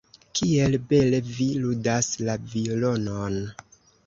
Kiel bele vi ludas la violonon!